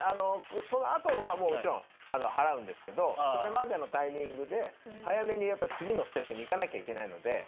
そのあとはもちろん払うんですけどそれまでのタイミングで早めにやっぱり次のステップにいかなきゃいけないので。